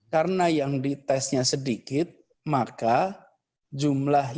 karena yang di tesnya sedikit maka jumlahnya